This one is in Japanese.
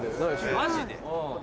マジで？